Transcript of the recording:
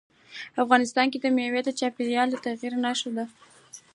افغانستان کې مېوې د چاپېریال د تغیر نښه ده.